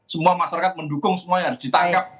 semua masyarakat mendukung semua yang harus ditangkap